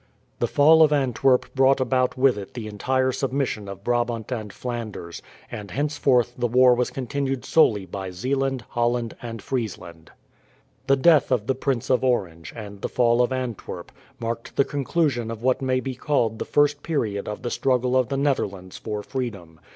The fall of Antwerp brought about with it the entire submission of Brabant and Flanders, and henceforth the war was continued solely by Zeeland, Holland, and Friesland. The death of the Prince of Orange, and the fall of Antwerp, marked the conclusion of what may be called the first period of the struggle of the Netherlands for freedom.